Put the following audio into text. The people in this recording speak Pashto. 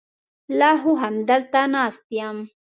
لا خو همدلته ناست یم.